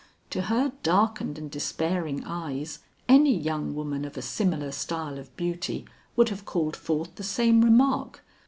To her darkened and despairing eyes any young woman of a similar style of beauty would have called forth the same remark.